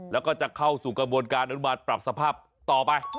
แล้วก็จะเข้าสู่กระบวนการอนุมานปรับสภาพต่อไป